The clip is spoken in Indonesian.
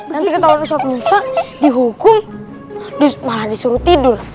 nanti ketahuan ustaz musa dihukum malah disuruh tidur